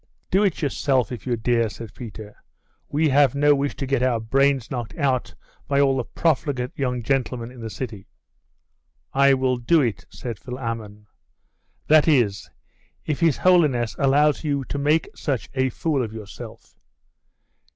'Do it yourself, if you dare,' said Peter. 'We have no wish to get our brains knocked out by all the profligate young gentlemen in the city.' 'I will do it,' said Philammon. 'That is, if his holiness allows you to make such a fool of yourself.